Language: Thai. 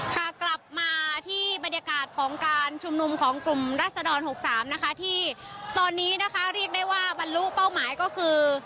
ค่ะกลับมาที่บรรยากาศของการชุมนุมของกลุ่มรัศดร๖๓นะคะที่ตอนนี้นะคะเรียกได้ว่าบรรลุเป้าหมายก็คือ